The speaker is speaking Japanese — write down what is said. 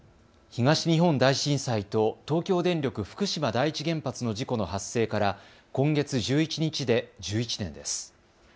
東日本大震災と東京電力福島第一原発の事故の発生から今月１１日で１１年です。